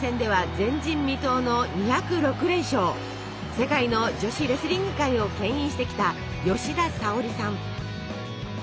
世界の女子レスリング界をけん引してきた吉田沙保里さん。